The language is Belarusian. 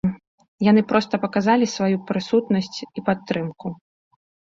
Яны проста паказалі сваю прысутнасць і падтрымку.